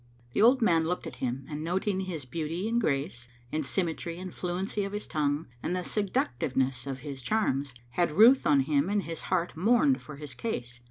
The old man looked at him and noting his beauty and grace and symmetry and the fluency of his tongue and the seductiveness of his charms, had ruth on him and his heart mourned for his case.